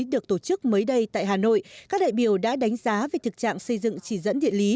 được tổ chức mới đây tại hà nội các đại biểu đã đánh giá về thực trạng xây dựng chỉ dẫn địa lý